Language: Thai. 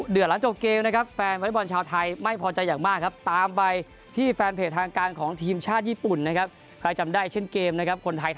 เดือดหลังจบเกมแฟนวิทยุบรรณชาวไทย